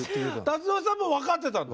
達郎さんも分かってたんだ。